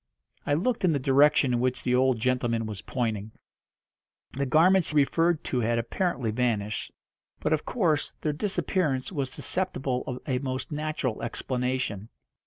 I looked in the direction in which the old gentleman was pointing. The garments he referred to had apparently vanished, but, of course, their disappearance was susceptible of a most natural explanation.